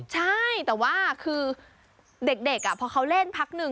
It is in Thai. ใช่แต่ว่าคือเด็กพอเขาเล่นพักหนึ่ง